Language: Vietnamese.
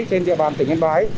trên địa bàn tỉnh yên bái